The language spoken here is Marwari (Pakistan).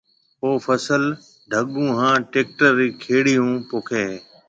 او فصل ڍڳون ھان ٽريڪٽر رِي کيڙي ھون پوکيَ ھيََََ